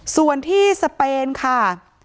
ส่วนที่สเปนค่ะ